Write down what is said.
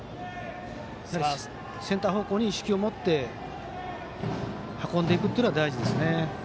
センター方向に意識を持って運んでいくのが大事ですね。